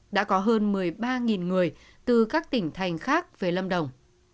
đã có hơn một mươi ba người từ các tỉnh thành khác về lâm đồng